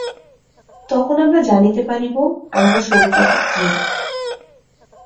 তখন আমরা জানিতে পারিব, আমরা স্বরূপত কি।